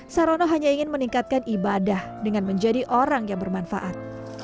sarono hanya ingin meningkatkan ibadah dengan menjadi orang yang bermanfaat